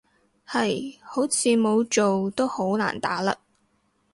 係，好似冇做都好難打甩